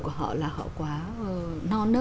của họ là họ quá non